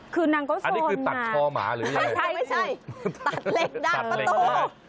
คือนางก็โซนมากอันนี้คือตัดคอหมาหรือยังไงไม่ใช่ตัดเล็กด้านประตู